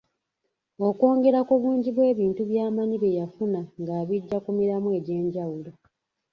Okwongera ku bungi bw’ebintu byamanyi bye yafuna nga abijja ku miramwa egy’enjawulo.